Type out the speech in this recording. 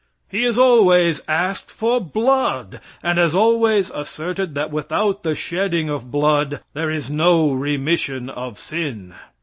He has always asked for blood, and has always asserted that without the shedding of blood there is no remission of sin.